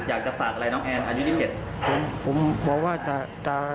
อยากจะฝากอะไรน้องแอนอายุที่เจ็ดผมผมบอกว่าจะจะ